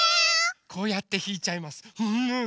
こうやってひいちゃいます。